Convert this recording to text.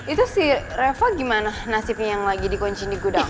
itu si reva gimana nasibnya yang lagi dikunci di gudang